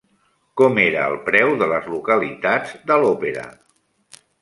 Com era el preu de les localitats de l'òpera?